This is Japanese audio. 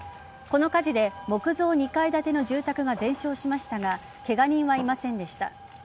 この火事で木造２階建ての住宅が全焼しましたがケガ人はいませんでした。